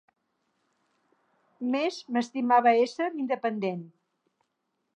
Més m'estimava ésser independent.